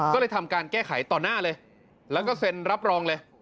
ก็เลยทำการแก้ไขต่อหน้าเลยแล้วก็เซ็นรับรองเลย